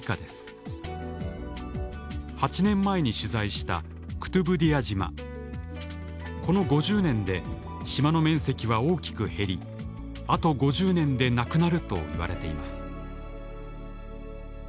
８年前に取材したこの５０年で島の面積は大きく減りあと５０年でなくなるといわれています